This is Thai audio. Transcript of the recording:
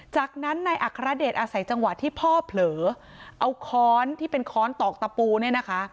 จากนั้นนายอัครเดชอาศัยจังหวะที่พ่อเผลอเอาค้อนที่เป็นค้อนตอกตะปูเนี่ยนะคะ